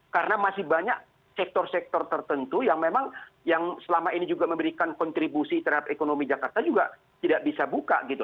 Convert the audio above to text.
karena masih banyak sektor sektor tertentu yang memang yang selama ini juga memberikan kontribusi terhadap ekonomi jakarta juga tidak bisa buka gitu